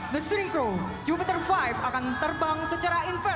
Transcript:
dibutuhkan kerjasama kita